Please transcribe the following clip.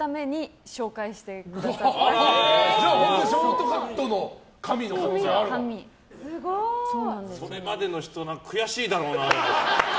ショートカットにするために本当にそれまでの人、悔しいだろうな。